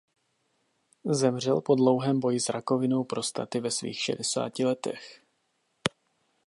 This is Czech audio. Zemřel po dlouhém boji s rakovinou prostaty ve svých šedesáti letech.